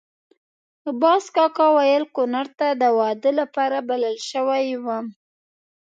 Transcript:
باز کاکا ویل کونړ ته د واده لپاره بلل شوی وم.